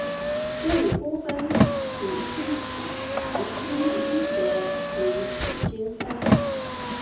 又以孤峰似披紫袍金衣得名紫金山。